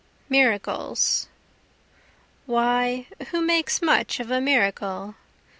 Miracles Why, who makes much of a miracle?